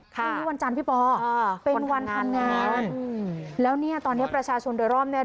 ค่ะวันจันทร์พี่ปออ่าเป็นวันทางงานอืมแล้วเนี่ยตอนนี้ประชาชนโดยร่อมเนี่ย